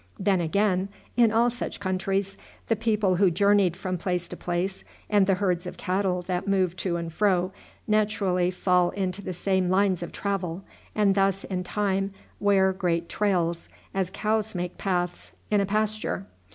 Then, again, in all such countries, the people who journey from place to place, and the herds of cattle that move to and fro, naturally fall into the same lines of travel, and thus, in time, wear great trails, as cows make paths in a pasture.